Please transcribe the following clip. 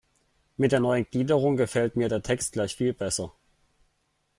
Mit der neuen Gliederung gefällt mir der Text gleich viel besser.